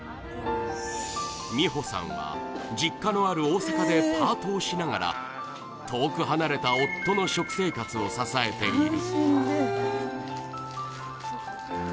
実穂さんは実家のある大阪でパートをしながら遠く離れた夫の食生活を支えている。